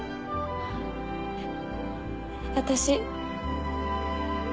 私。